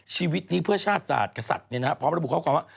ชีวิตนี้เพื่อชาติศาสตร์กับสัตว์เนี่ยนะฮะพร้อมระบุข้อความว่า